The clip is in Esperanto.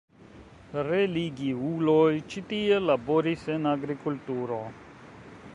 Religiuloj ĉi tie laboris en agrikulturo.